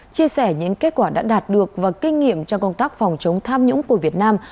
chia sẻ những kết quả đã đạt được và kinh nghiệm trong công tác phòng chống tham nhũng của việt nam